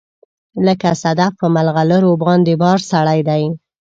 لکه صدف په مرغلروباندې بار سړی دی